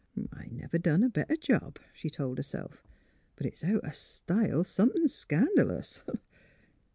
*' I never done a better job," she told herself. " But it's out o' style, somethin' scandalous."